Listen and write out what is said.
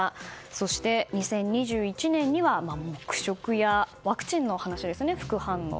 そして、２０２１年には黙食やワクチンの話ですね、副反応。